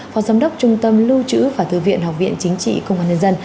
phó giám đốc trung tâm lưu trữ và thư viện học viện chính trị công an nhân dân